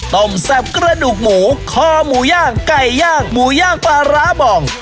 ต้มแซ่บกระดูกหมูคอหมูย่างไก่ย่างหมูย่างปลาร้าบ่อง